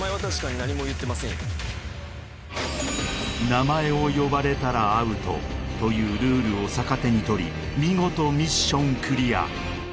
名前を呼ばれたらアウトというルールを逆手に取り見事ミッションクリア